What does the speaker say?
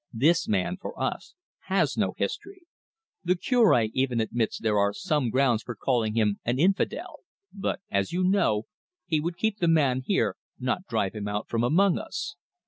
This man, for us, has no history. The Cure even admits there are some grounds for calling him an infidel, but, as you know, he would keep the man here, not drive him out from among us.